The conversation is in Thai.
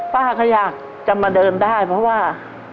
ป้าก็อยากจะมาเดินได้เพราะว่า